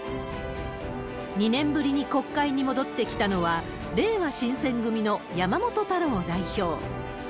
２年ぶりに国会に戻ってきたのは、れいわ新選組の山本太郎代表。